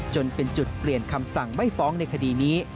จนเป็นจุดเปลี่ยนคำสั่งไม่ฟ้องในคดีนี้